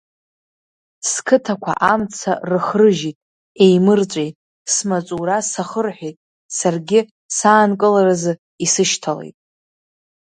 Сқыҭақәа амца рыхрыжьит, еимырҵәеит, смаҵура сахырҳәеит, саргьы саанкыларазы исышьҭалеит.